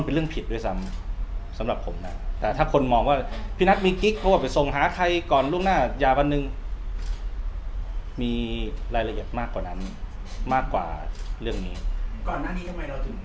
เพราะว่าอะไรครับผมเพราะว่าเรายังรักเขาหรือว่าเขาอยากให้กลับมาเป็นอย่างเดิมหรือยังไงครับ